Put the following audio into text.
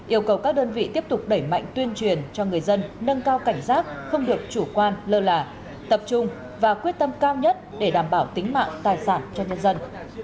yêu cầu các đơn vị tiếp tục đẩy mạnh tuyên truyền cho người dân nâng cao cảnh giác không được chủ quan lơ là tập trung và quyết tâm cao nhất để đảm bảo tính mạng tài sản cho nhân dân